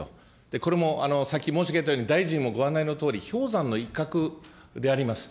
これもさっき申し上げたように、大臣もご案内のとおり、氷山の一角であります。